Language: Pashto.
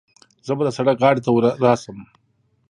زه به د سړک غاړې ته راسم.